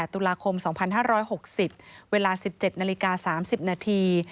ตุลาคม๒๕๖๐เวลา๑๗นาฬิกา๓๐นาที